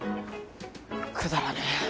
くだらねえ。